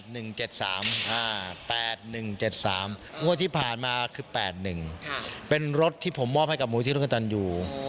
งวดที่ผ่านมาคือ๘๑เป็นรถที่ผมมอบให้กับมูลที่ร่วมกับตันอยู่